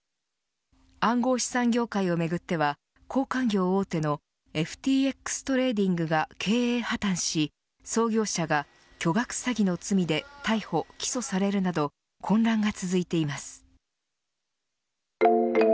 暗号資産業界をめぐっては交換業大手のＦＴＸトレーディングが経営破綻し創業者が巨額詐欺の罪で逮捕起訴されるなど混乱が続いています。